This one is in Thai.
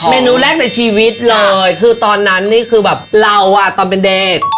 เมนูแรกในชีวิตเลยคือตอนนั้นนี่คือแบบเราอ่ะตอนเป็นเด็ก